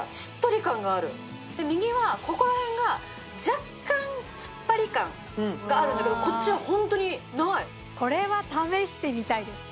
右はここら辺が若干つっぱり感があるんだけどこっちはホントにないこれは試してみたいです